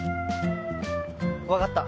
わかった。